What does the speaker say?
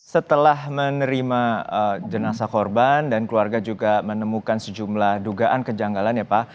setelah menerima jenazah korban dan keluarga juga menemukan sejumlah dugaan kejanggalan ya pak